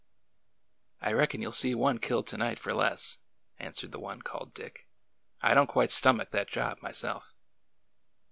I reckon you 'll see one killed to night for less," an swered the one called Dick. '' I don't quite stomach that job, myself."